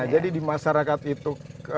jadi di masyarakat itu